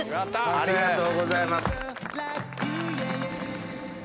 ありがとうございます。